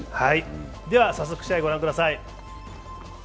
では早速、試合ご覧ください。